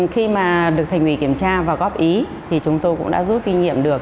khi mà được thành ủy kiểm tra và góp ý thì chúng tôi cũng đã rút kinh nghiệm được